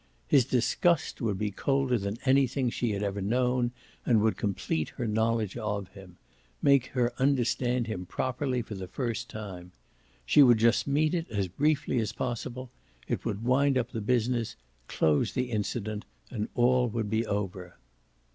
His disgust would be colder than anything she had ever known and would complete her knowledge of him make her understand him properly for the first time. She would just meet it as briefly as possible; it would wind up the business, close the incident, and all would be over.